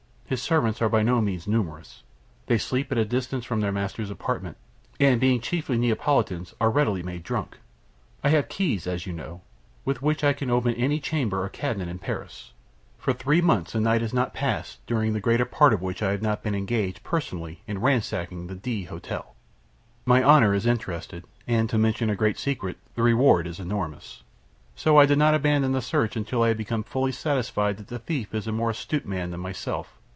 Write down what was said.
His servants are by no means numerous. They sleep at a distance from their master's apartment, and, being chiefly Neapolitans, are readily made drunk. I have keys, as you know, with which I can open any chamber or cabinet in Paris. For three months a night has not passed during the greater part of which I have not been engaged, personally, in ransacking the D Hotel. My honor is interested, and, to mention a great secret, the reward is enormous. So I did not abandon the search until I had become fully satisfied that the thief is a more astute man than myself.